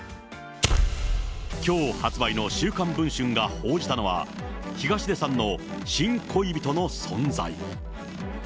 きょう発売の週刊文春が報じたのは、東出さんの新恋人の存在。